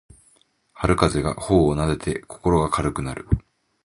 春風が頬をなでて心が軽くなる